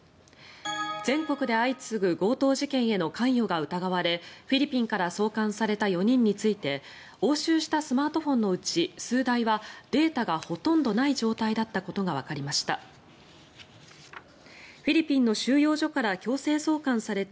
全国で相次ぐ強盗事件への関与が疑われフィリピンから送還された４人について押収したスマートフォンのうち数台はデータがほとんどない状態だったことがわかりました。